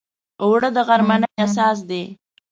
اوړه د غرمنۍ اساس دی